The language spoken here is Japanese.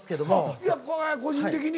いや個人的に。